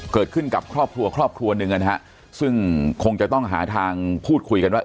เกิดขึ้นกับครอบครัวครอบครัวหนึ่งนะฮะซึ่งคงจะต้องหาทางพูดคุยกันว่า